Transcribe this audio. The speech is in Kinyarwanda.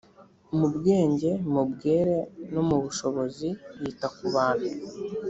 mubwenge mu bwere no mu bushobozi yita kubantu